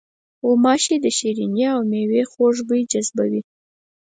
غوماشې د شریني او میوې خوږ بوی جذبوي.